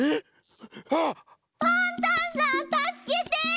パンタンさんたすけて！